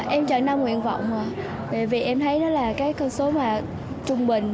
em chọn năm nguyện vọng vì em thấy nó là cái số trung bình